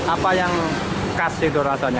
apa yang khas di doratannya